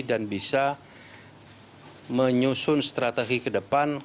dan bisa menyusun strategi ke depan